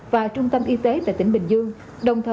và trung tâm y tế tại tỉnh bình dương